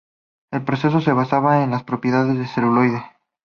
El proceso se basaba en las propiedades del celuloide.